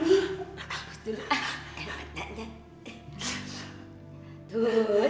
apus dulu ah enak aja